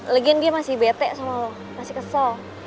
lagian dia masih bete sama lo masih kesel